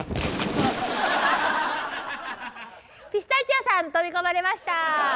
ピスタチオさん飛び込まれました。